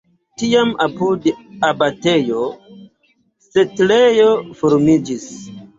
Tiam apud abatejo setlejo formiĝis.